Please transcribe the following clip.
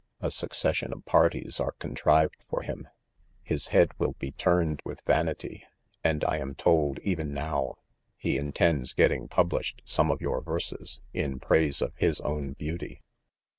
A succession of parties are contrived for him , his head will be turned with vanity 5 and I am told, even now, he in tends getting published some of your verses, in praise of his own beauty."